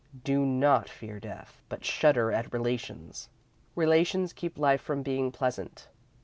Do not fear Death, but shudder at Relations. Relations keep life from being pleasant.